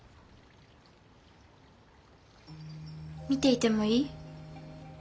見ていてもいい？